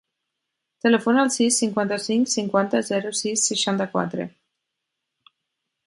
Telefona al sis, cinquanta-cinc, cinquanta, zero, sis, seixanta-quatre.